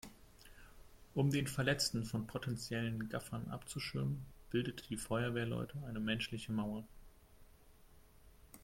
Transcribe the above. Um den Verletzten von potenziellen Gaffern abzuschirmen, bildeten die Feuerwehrleute eine menschliche Mauer.